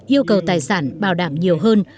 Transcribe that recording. yêu cầu tài sản bảo đảm nhiều hơn